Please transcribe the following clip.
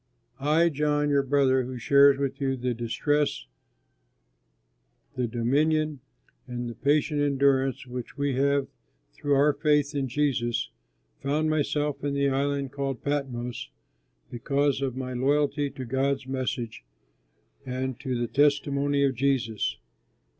I, John, your brother who shares with you the distress, the dominion, and the patient endurance which we have through our faith in Jesus, found myself in the island called Patmos because of my loyalty to God's message and to the testimony of Jesus.